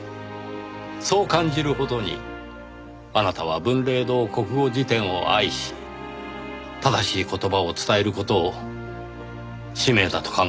そう感じるほどにあなたは『文礼堂国語辞典』を愛し正しい言葉を伝える事を使命だと考えてきました。